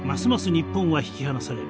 日本は引き離される。